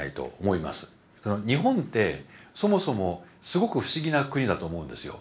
日本ってそもそもすごく不思議な国だと思うんですよ。